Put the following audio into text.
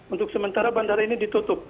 untuk sementara bandara ini ditutup